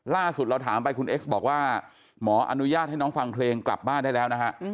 ล่าสุดเราถามไปคุณเอ็กซ์บอกว่าหมออนุญาตให้น้องฟังเพลงกลับบ้านได้แล้วนะฮะ